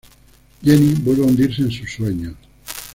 Jenny vuelve a hundirse en sus sueños.